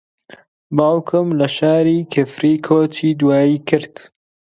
باوکم لە شاری کفری کۆچی دوایی کرد.